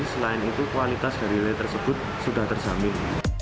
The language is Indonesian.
selain itu kualitas dari nilai tersebut sudah terjamin